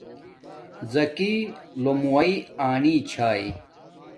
زَکی لومُوائ آنی چھݳئ